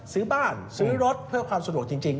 ซื้อบ้านซื้อรถเพื่อความสะดวกจริง